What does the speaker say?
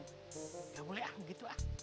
gak boleh aku gitu ah